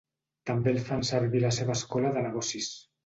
També el fan servir a la seva Escola de Negocis.